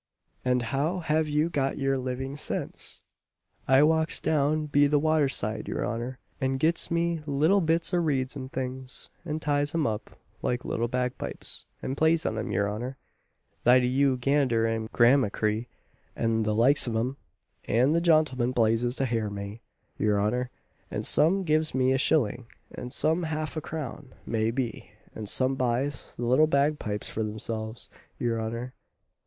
"And how have you got your living since?" "I walks down be the water side, your honour, an gets me little bits o' reeds an things, and ties 'em up like little bagpipes, and plays on 'em, your honour, Thady you Gander an Gramachree, and the likes of 'em; an the jontelmen plases to hear me, your honour; an some gives me a shilling, an some half a crown, may be, an some buys the little bagpipes for themselves, your honour."